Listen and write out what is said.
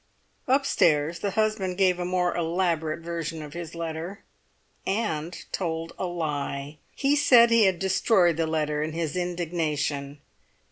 Upstairs the husband gave a more elaborate version of his letter, and told a lie. He said he had destroyed the letter in his indignation.